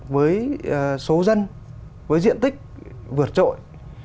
với số dân với diện tích vượt trội